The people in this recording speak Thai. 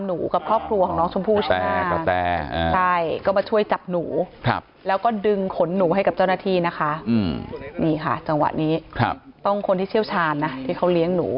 หรือเจ้าหน้าที่นะคะนี่ค่ะจังหวะนี้ต้องคนที่เชี่ยวชาญนะที่เขาเลี้ยงหนู